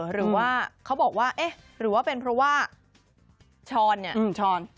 หรือว่าเขาบอกว่าเอ๊ะหรือว่าเป็นเพราะว่าชอน